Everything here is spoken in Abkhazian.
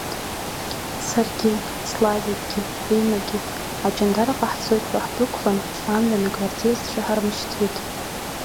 Саргьы, Славикгьы, Риммагьы Аҷандараҟа ҳцоит ҳәа ҳдәықәлан, амҩан агвардееццәа ҳармышьҭит.